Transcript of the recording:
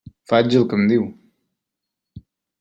Faig el que em diu.